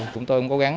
chúng tôi cũng cố gắng